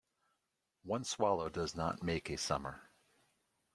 One swallow does not make a summer.